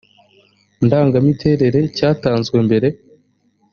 ndangamiterere cyatanzwe mbere